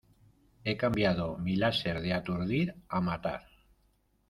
He cambiado mi láser de aturdir a matar.